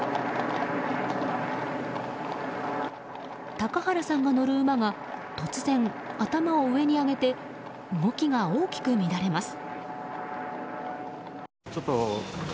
高原さんが乗る馬が突然頭を上に上げて動きが大きく乱れます。